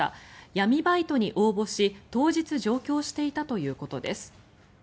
闇バイトに応募し当日上京していたということです。